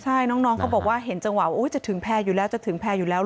ใช่น้องเขาบอกว่าเห็นจังหวะว่าจะถึงแพรอยู่แล้ว